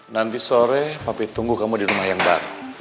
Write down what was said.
nanti sore papi tunggu kamu di rumah yang baru